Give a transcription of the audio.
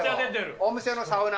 お店のサウナ。